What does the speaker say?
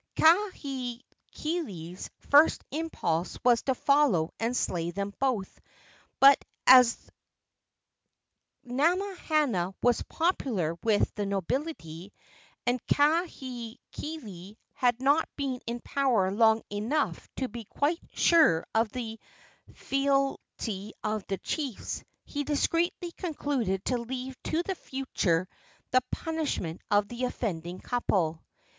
Kahekili's first impulse was to follow and slay them both; but as Namahana was popular with the nobility, and Kahekili had not been in power long enough to be quite sure of the fealty of the chiefs, he discreetly concluded to leave to the future the punishment of the offending couple.